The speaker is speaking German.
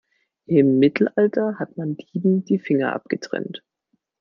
Im Mittelalter hat man Dieben die Finger abgetrennt.